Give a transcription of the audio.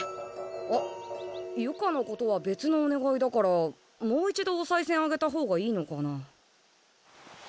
あっ由香のことは別のお願いだからもう一度おさいせんあげたほうがいいのかな？